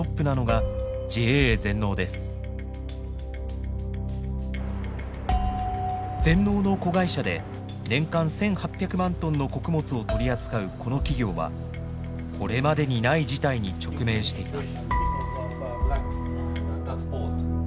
全農の子会社で年間１，８００万トンの穀物を取り扱うこの企業はこれまでにない事態に直面しています。